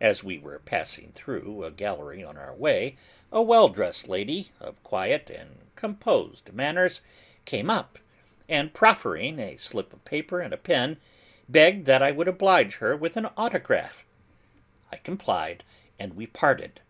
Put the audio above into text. As we were passing through a gallery on our way out, a well dressed lady, of quiet and composed manners, came up, and proffering a slip of paper and a pen, begged that I would oblige her with an autograph, I complied, and we parted.